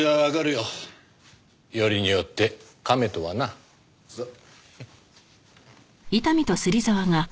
よりによってカメとはな。さあ。